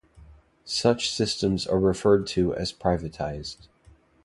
Such systems are referred to as 'privatized.